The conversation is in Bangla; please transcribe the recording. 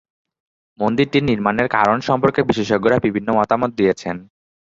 মন্দিরটির নির্মাণের কারণ সম্পর্কে বিশেষজ্ঞরা বিভিন্ন মতামত দিয়েছেন।